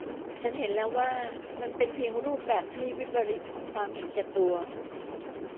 ฉันเห็นแล้วว่ามันเป็นเพียงรูปแบบที่วิปริตของความเห็นแก่ตัว